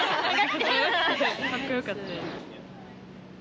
かっこよかったです。